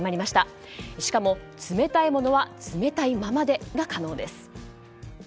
しかも冷たいものは冷たいままでが可能です。